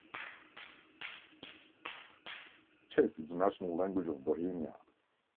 Czech is the national language of Bohemia.